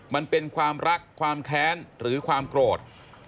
มันเป็นความรักความแค้นหรือความโกรธ